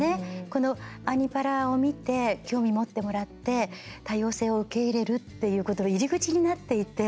この「アニ×パラ」を見て興味持ってもらって多様性を受け入れるっていうことの入り口になっていて。